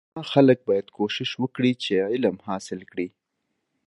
زما خلک باید کوشش وکړی چی علم حاصل کړی